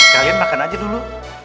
kalian makan aja dulu